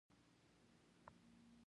خوندور دي.